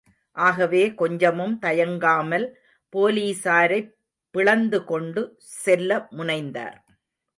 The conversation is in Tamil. ஆகவே கொஞ்சமும் தயங்காமல் போலீசாரைப் பிளந்து கொண்டு செல்லமுனைந்தார்.